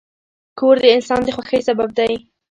کور د انسان د خوښۍ سبب دی.